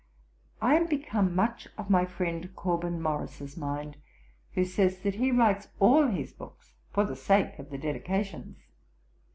I am become much of my friend Corbyn Morrice's mind, who says that he writes all his books for the sake of the dedications.'